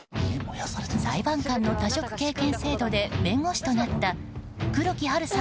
裁判官の他職経験制度で弁護士となった黒木華さん